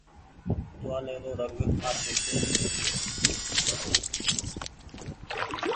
ٽوهآلي رو رنگ آڇو ڇي۔